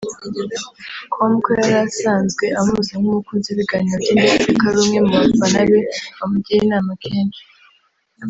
com ko yarasanzwe amuzi nk’umukunzi w’ibiganiro bye ndetse ko ari umwe mubafana be bamugira inama kenshi